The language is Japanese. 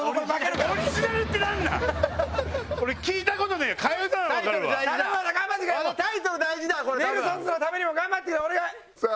ネルソンズのためにも頑張ってくれお願い！